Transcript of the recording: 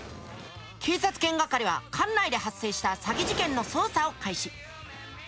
警察犬係は管内で発生した詐欺事件の捜査を開始。